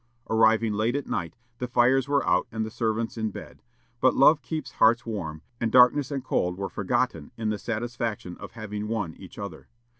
Arriving late at night, the fires were out and the servants in bed; but love keeps hearts warm, and darkness and cold were forgotten in the satisfaction of having won each other.